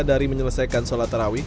dari menyelesaikan sholat terawih